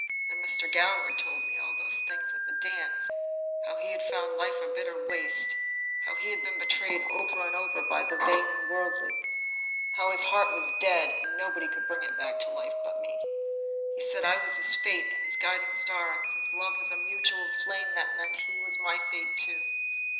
Then Mr. Goward told me all those things at the dance, how he had found life a bitter waste, how he had been betrayed over and over by the vain and worldly, and how his heart was dead and nobody could bring it to life but me. He said I was his fate and his guiding star, and since love was a mutual flame that meant he was my fate, too.